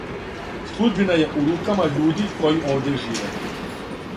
Судбина је у рукама људи који овде живе.